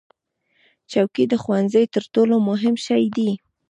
چوکۍ د ښوونځي تر ټولو مهم شی دی.